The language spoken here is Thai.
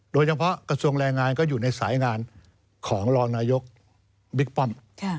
โดยเฉพาะกระทรวงแรงงานก็อยู่ในสายงานของรองนายกบิ๊กป้อม